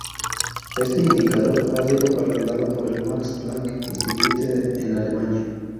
Este indicador ha sido calculado por el Max Planck Institute, en Alemania.